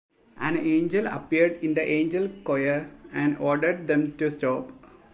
An angel appeared in the Angel Choir and ordered them to stop.